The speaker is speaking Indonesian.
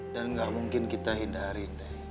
dan gak mungkin kita hindari